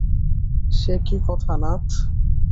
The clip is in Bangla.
সে কী কথা নাথ।